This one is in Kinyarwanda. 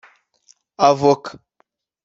Avoka